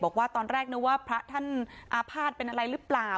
บอกว่าตอนแรกนึกว่าพระท่านอาภาษณ์เป็นอะไรหรือเปล่า